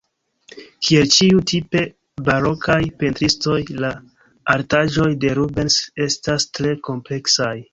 Kiel ĉiuj tipe barokaj pentristoj, la artaĵoj de Rubens estas tre kompleksaj.